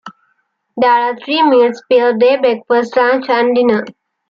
There are three meals per day: breakfast, lunch and dinner.